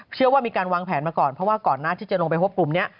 เชื่อว่ามีการวางแผนมาก่อนเพราะว่าก่อนหน้าที่จะลงไปพบกลุ่มนี้